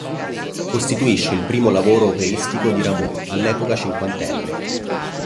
Costituisce il primo lavoro operistico di Rameau, all'epoca cinquantenne.